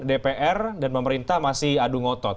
dpr dan pemerintah masih adu ngotot